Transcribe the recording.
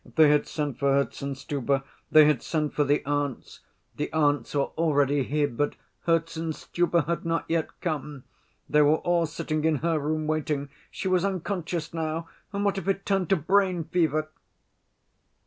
They had sent for Herzenstube; they had sent for the aunts. The aunts were already here, but Herzenstube had not yet come. They were all sitting in her room, waiting. She was unconscious now, and what if it turned to brain fever!"